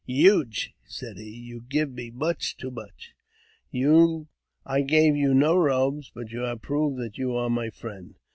" Hugh !" said he ;" you give me too much. I gave you no robes, but you have proved that you are my friend."